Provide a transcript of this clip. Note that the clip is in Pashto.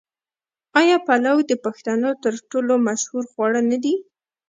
آیا پلو د پښتنو تر ټولو مشهور خواړه نه دي؟